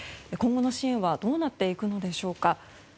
今後の支援はどうなっていくのでしょうか。